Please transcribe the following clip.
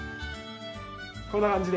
こんな感じで。